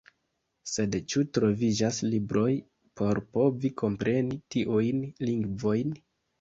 Sed ĉu troviĝas libroj por povi kompreni tiujn lingvojn?